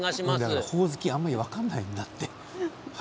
だからほおずきがあまり分からないんだって。